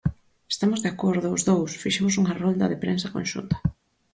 Estamos de acordo os dous, fixemos unha rolda de prensa conxunta.